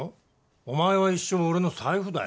お前は一生俺の財布だよ。